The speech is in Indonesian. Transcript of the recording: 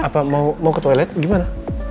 apa mau ke toilet gimana